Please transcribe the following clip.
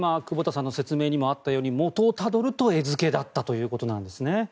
今、久保田さんの説明にもあったように元をたどると餌付けだったということです。